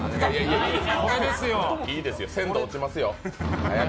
いいですよ、鮮度落ちますよ。